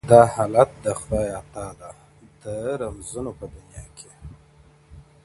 • دا حالت د خدای عطاء ده، د رمزونو په دنيا کي.